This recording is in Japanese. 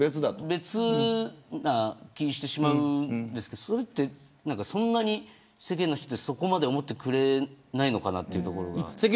別な気がしてしまうんですけどそれってそんなに世間の人ってそこまで思ってくれないのかなというところが。